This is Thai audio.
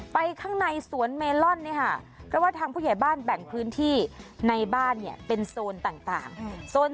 ข้างในสวนเมลอนเนี่ยค่ะเพราะว่าทางผู้ใหญ่บ้านแบ่งพื้นที่ในบ้านเนี่ยเป็นโซนต่าง